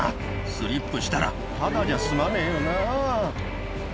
スリップしたらただじゃ済まねえよな。